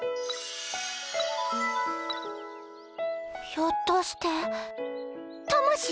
ひょっとして魂？